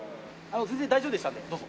全然大丈夫でしたのでどうぞ。